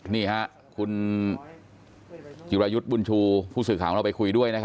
นี่ค่ะคุณจิรายุทธ์บุญชูผู้สื่อข่าวของเราไปคุยด้วย